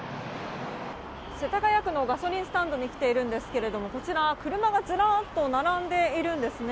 世田谷区のガソリンスタンドに来ていますがこちら、車がずらっと並んでいるんですね。